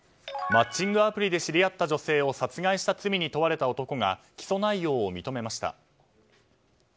マッチングアプリで知り合った女性を殺害した罪に問われた男が起訴内容を認めました。